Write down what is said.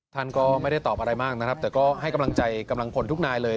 ท่านก็ไม่ได้ตอบอะไรมากนะครับแต่ก็ให้กำลังใจกำลังพลทุกนายเลย